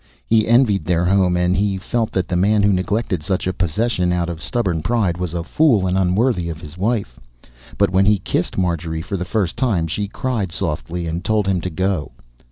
He envied their home, and he felt that the man who neglected such a possession out of stubborn pride was a fool and unworthy of his wife. But when he kissed Marjorie for the first time she cried softly and told him to go.